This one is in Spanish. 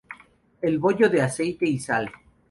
El bollo de aceite y sal.